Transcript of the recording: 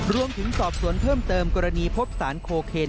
รวมถึงสอบสวนเพิ่มเติมกรณีพบสารโคเคน